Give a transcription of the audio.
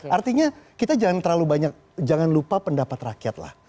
artinya kita jangan terlalu banyak jangan lupa pendapat rakyat lah